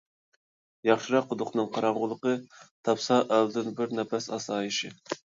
ياخشىراق قۇدۇقنىڭ قاراڭغۇلۇقى، تاپسا ئەلدىن بىر نەپەس ئاسايىشى.